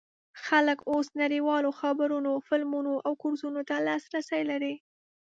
خلک اوس نړیوالو خبرونو، فلمونو او کورسونو ته لاسرسی لري.